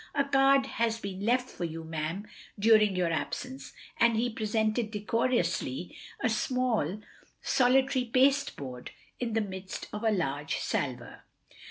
"A card has been left for you, ma'am, dtiring your absence," and he presented, decorously, a small, solitary pasteboard in the midst of a large salver.